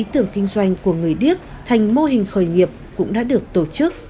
ý tưởng kinh doanh của người điếc thành mô hình khởi nghiệp cũng đã được tổ chức